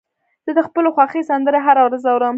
زه د خپلو خوښې سندرې هره ورځ اورم.